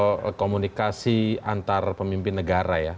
soal komunikasi antar pemimpin negara ya